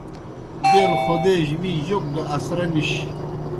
بیل خودے جیْ می جوک گہ اسرا نِش۔